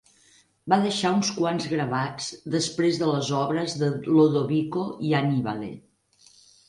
Va deixar uns quants gravats després de les obres de Lodovico i Annibale.